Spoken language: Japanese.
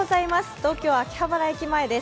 東京・秋葉原駅前です。